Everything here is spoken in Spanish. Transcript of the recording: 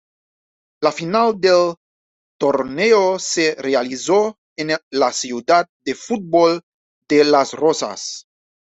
La final del torneo se realizó en la Ciudad del Fútbol de Las Rozas.